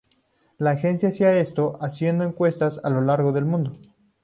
La agencia hacía esto haciendo encuestas a lo largo del mundo.